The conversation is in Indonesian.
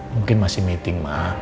mungkin masih meeting ma